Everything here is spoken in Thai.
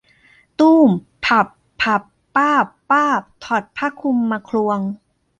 ตู้ม พั่บ พั่บ ป้าบ ป้าบ ถอดผ้าคลุมมาควง